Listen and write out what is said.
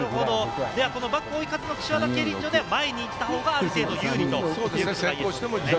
バック、追い風の岸和田競輪場で前に行ったほうが有利ということですね。